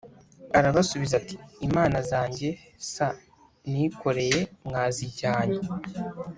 Arabasubiza ati imana zanjye s nikoreye mwazijyanye